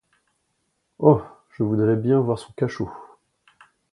Oh ! je voudrais bien voir son cachot !…